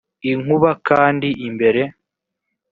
inkuba kandi imbere